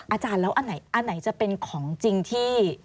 อาจารย์แล้วอันไหนอันไหนจะเป็นของจริงที่